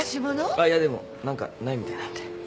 あっいやでも何かないみたいなんで。